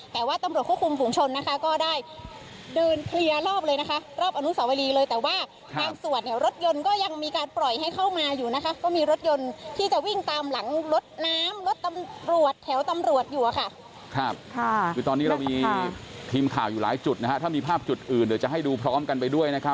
แต่ว่าตำรวจควบคุมผู้ชนนะคะก็ได้เดินเคลียร์รอบเลยนะคะรอบอนุสาวรีเลยแต่ว่าทางสวดเนี่ยรถยนต์ก็ยังมีการปล่อยให้เข้ามาอยู่นะคะ